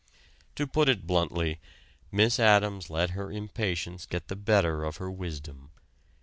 To put it bluntly, Miss Addams let her impatience get the better of her wisdom.